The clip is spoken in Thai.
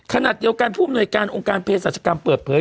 ขณะเดียวกันทุ่มหน่วยการองค์การเพศศาสตร์กรรมเปิดเผย